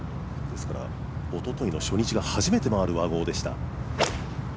ですからおとといの初日が初めて回る和合でした。